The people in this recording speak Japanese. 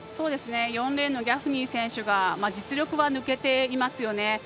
４レーンのギャフニー選手が実力は抜けていますよね。